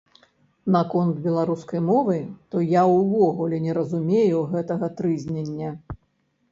Наконт беларускай мовы, то я ўвогуле не разумею гэтага трызнення.